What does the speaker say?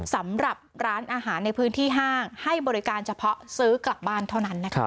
สำหรับร้านอาหารในพื้นที่ห้างให้บริการเฉพาะซื้อกลับบ้านเท่านั้นนะคะ